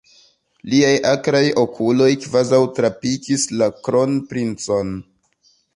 Liaj akraj okuloj kvazaŭ trapikis la kronprincon.